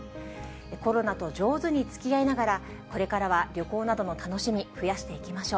コロナと上手につきあいながら、これからは旅行などの楽しみ、増やしていきましょう。